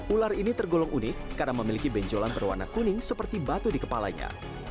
ular ini tergolong unik karena memiliki benjolan berwarna kuning seperti batu di kepalanya